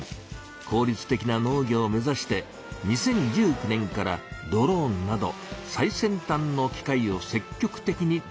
効率的な農業を目ざして２０１９年からドローンなど最先端の機械を積極的にどう入しています。